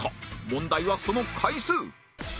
問題はその回数